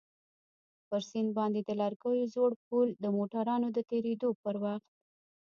پر سيند باندى د لرګيو زوړ پول د موټرانو د تېرېدو پر وخت.